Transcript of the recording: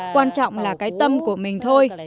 quan trọng là cái tâm của mình thôi